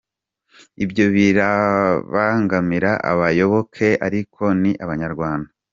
Ibyo birabangamira abayoboke ariko ni Abanyarwanda.